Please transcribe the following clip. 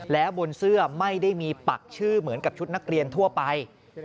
แล้วบนเสื้อไม่ได้มีปักชื่อเหมือนกับชุดนักเรียนทั่วไป